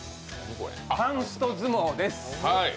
パンスト相撲です。